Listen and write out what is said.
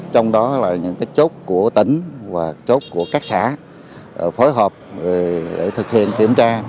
trong đó là những chốt của tỉnh và chốt của các xã phối hợp để thực hiện kiểm tra